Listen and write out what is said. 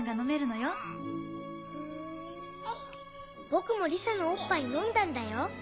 僕もリサのオッパイ飲んだんだよ。